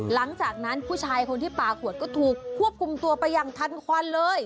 หลังจากนั้นผู้ชายคนที่ปลาขวดก็ถูกควบคุมตัวไปอย่างทันควันเลย